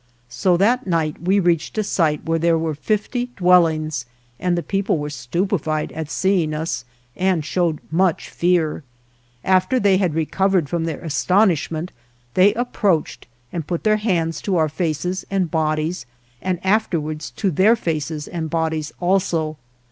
So that night we reached a site where there were fifty dwellings, and the people were stupefied at seeing us and showed much fear. After they had recovered from their astonishment they approached and put their hands to our faces and bodies and afterwards to their faces and bodies also.